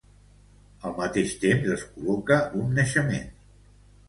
Al mateix temps, es col·loca un naixement.